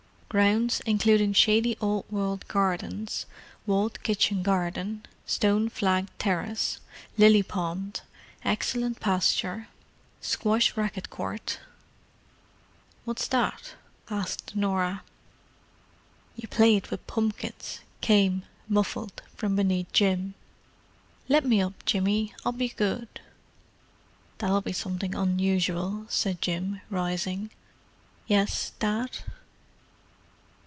Grounds including shady old world gardens, walled kitchen garden, stone flagged terrace, lily pond, excellent pasture. Squash racquet court." "What's that?" asked Norah. "You play it with pumpkins," came, muffled, from beneath Jim. "Let me up, Jimmy—I'll be good." "That'll be something unusual," said Jim, rising. "Yes, Dad?"